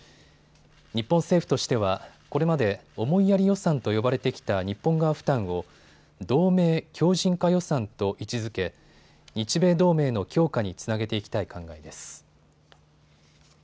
日本政府としては、これまで思いやり予算と呼ばれてきた日本側負担を同盟強靱化予算と位置づけ、日米同盟の強化につなげていきたい考えです。